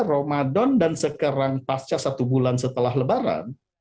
ramadan dan sekarang pasca satu bulan setelah lebaran